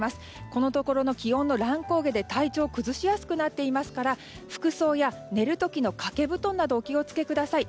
このところの気温の乱高下で体調を崩しやすくなっていますから服装や寝る時の掛け布団などお気を付けください。